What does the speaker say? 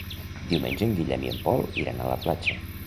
Diumenge en Guillem i en Pol iran a la platja.